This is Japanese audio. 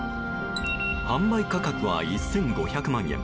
販売価格は１５００万円。